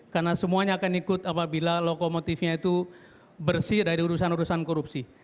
karena semuanya akan ikut apabila lokomotifnya itu bersih dari urusan urusan korupsi